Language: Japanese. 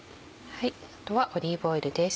あとはオリーブオイルです。